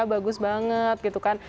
bagus banget gitu kan